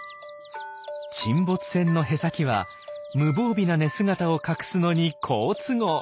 沈没船のへさきは無防備な寝姿を隠すのに好都合。